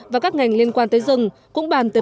và các ngành liên quan tới rừng cũng bàn tới vấn đề